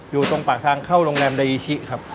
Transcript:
อยู่ตรงปากทางเข้าโรงแรมดายีชิครับ